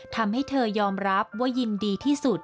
ทำให้เธอยอมรับว่ายินดีที่สุด